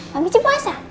mami cik puasa